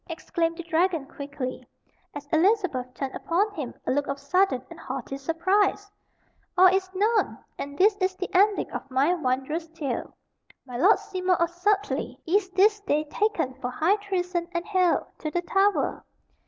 exclaimed the dragon quickly, as Elizabeth turned upon him a look of sudden and haughty surprise. "All is known! And this is the ending of my wondrous tale. My Lord Seymour of Sudleye is this day taken for high treason and haled(1) to the Tower.